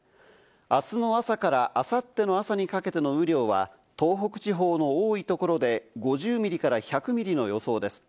あすの朝から、あさっての朝にかけての雨量は東北地方の多いところで５０ミリから１００ミリの予想です。